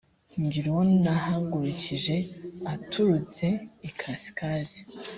ngira uwo nahagurukije aturutse ikasikazi